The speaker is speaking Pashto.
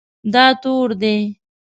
دا تور دی